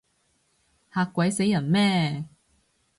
嚇鬼死人咩？